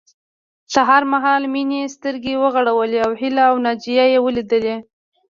سهار مهال مينې سترګې وغړولې او هيله او ناجيه يې وليدلې